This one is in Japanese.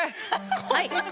はい。